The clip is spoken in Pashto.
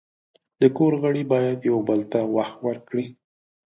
د کور غړي باید یو بل ته وخت ورکړي.